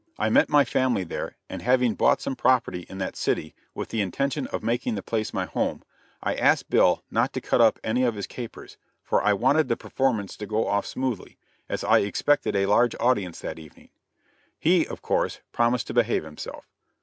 I met my family there, and having bought some property in that city, with the intention of making the place my home, I asked Bill not to cut up any of his capers, for I wanted the performance to go off smoothly, as I expected a large audience that evening. He, of course, promised to behave himself.